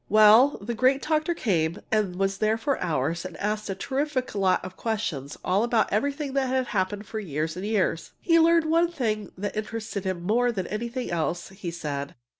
Well, the great doctor came and was there for hours and asked a terrific lot of questions all about everything that had happened for years and years. He learned one thing that interested him more than anything else, he said.